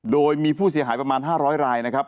โดยมีผู้เสียหายประมาณ๕๐๐รายนะครับ